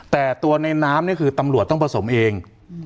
แต่ตัวในน้ำนี่คือตำรวจต้องผสมเอง